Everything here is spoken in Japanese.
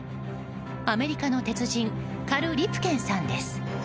アメリカの鉄人カル・リプケンさんです。